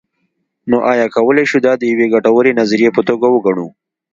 نو ایا کولی شو دا د یوې ګټورې نظریې په توګه وګڼو.